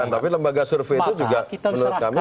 tapi lembaga survei itu juga menurut kami